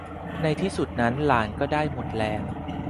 ในที่สุดนั้นหลานก็ได้หมดแรง